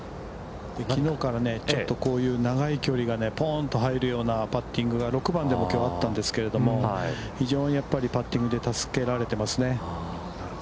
きのうからね、ちょっとこういう長い距離がぽうんと入るようなパッティングが６番でも、きょうあったんですけれども、非常にやっぱりパッティングで助けられていますね。